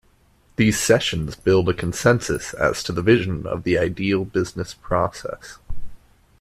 These sessions build a consensus as to the vision of the ideal business process.